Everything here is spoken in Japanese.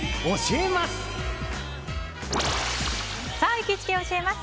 行きつけ教えます！